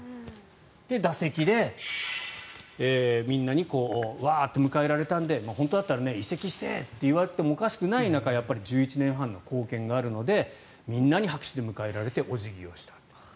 打席でみんなにワーッと迎えられたので本当だったら移籍して！と言われてもおかしくない中でやっぱり１１年半の貢献があるのでみんなに拍手で迎えられてお辞儀をした。